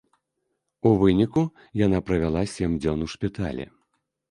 У выніку яна правяла сем дзён у шпіталі.